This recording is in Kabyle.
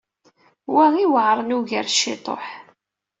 Wa i iweɛren ugar s ciṭuḥ.